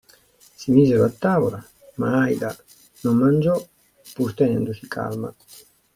Si misero a tavola, ma Aida non mangiò, pur tenendosi calma.